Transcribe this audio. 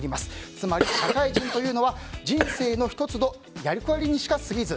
つまり社会人というのは人生の１つのやり取りにしかすぎず